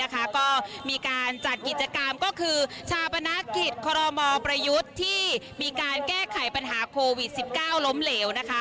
ก็มีการจัดกิจกรรมก็คือชาปนกิจคอรมอประยุทธ์ที่มีการแก้ไขปัญหาโควิด๑๙ล้มเหลว